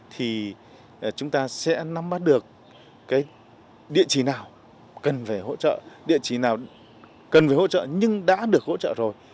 thì chúng ta sẽ nắm bắt được địa chỉ nào cần về hỗ trợ địa chỉ nào cần về hỗ trợ nhưng đã được hỗ trợ rồi